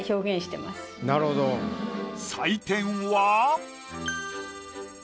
採点は。